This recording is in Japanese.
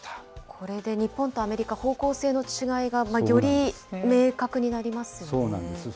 これで日本とアメリカ、方向性の違いがより明確になりますよね。